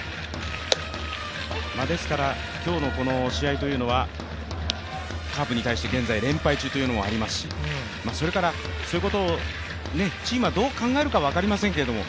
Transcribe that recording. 今日のこの試合はカープに対して現在連敗中というのもありますしそれからそういうことをチームがどう考えてるか分かりませんけども。